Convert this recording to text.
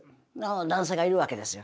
男性がいるわけですよ。